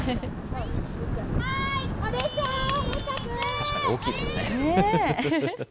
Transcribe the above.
確かに大きいですね。